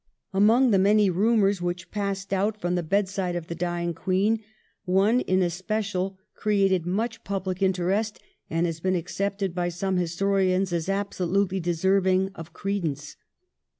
Among the many rumours which passed out from the bedside of the dying Queen, one in especial created much public interest, and has been accepted by some historians as absolutely deserving of cre dence.